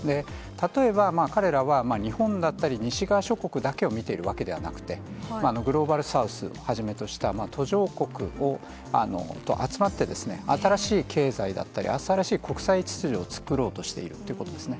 例えば、彼らは日本だったり西側諸国だけを見ているわけではなくて、グローバルサウスをはじめとした途上国と集まって、新しい経済だったり、新しい国際秩序を作ろうとしているということですね。